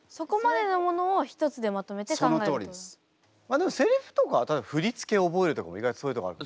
でもセリフとか振り付け覚えるとかも意外とそういうとこある。